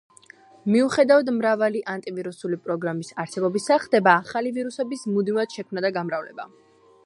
მიუხედავად მრავალი ანტივირუსული პროგრამის არსებობისა, ხდება ახალი ვირუსების მუდმივად შექმნა და გამრავლება.